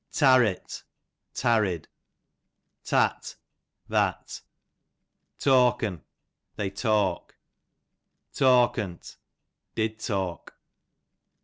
Tarrit, tarried. Tat, that. Tawk'n, they talk. Tawkn't, did talk.